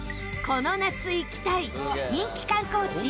この夏行きたい人気観光地